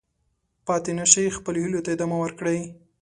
پاتې نه شئ، خپلو هیلو ته ادامه ورکړئ.